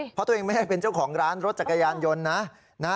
เพราะตัวเองไม่ได้เป็นเจ้าของร้านรถจักรยานยนต์นะ